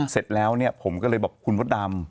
เสร็จแล้วเนี่ยผมก็เลยบอกคุณมดดำ